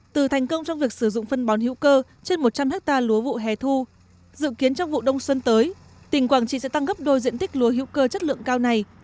từ thành công trong việc sử dụng phân bón hữu cơ trên một trăm linh hectare lúa vụ hè thu dự kiến trong vụ đông xuân tới tỉnh quảng trị sẽ tăng gấp đôi diện tích lúa hữu cơ chất lượng cao này